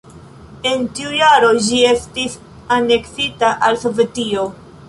En tiu jaro ĝi estis aneksita al Sovetio.